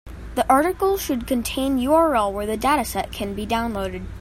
The article should contain URL where the dataset can be downloaded.